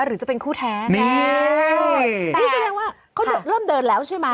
หรือจะเป็นคู่แท้แต่แสดงว่าเขาเริ่มเดินแล้วใช่ไหม